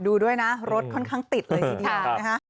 ดูด้วยนะรถค่อนข้างติดเลยทีเดียวนะคะ